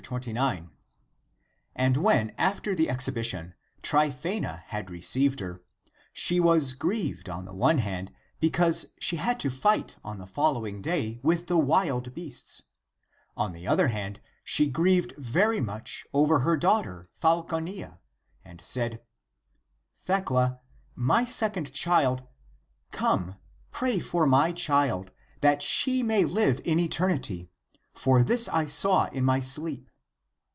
And when after the exhibition, Tryphsena had received her, she was grieved on the one hand because she had to fight on the following day with the wild beasts, on the other hand she < grieved > very much over her daughter Falconilla, and said :" Thecla, my second child, come, pray for my child, that she may live [in eternity] ;^^ for this I saw in my sleep."